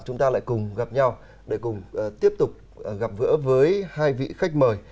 chúng ta lại cùng gặp nhau để cùng tiếp tục gặp gỡ với hai vị khách mời